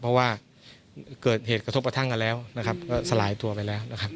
เพราะว่าเกิดเหตุกระทบกระทั่งกันแล้วนะครับก็สลายตัวไปแล้วนะครับ